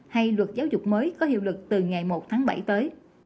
hay luật giáo dục mới có hiệu lực từ ngày một tháng bảy tới